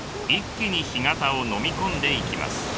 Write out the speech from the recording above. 一気に干潟をのみ込んでいきます。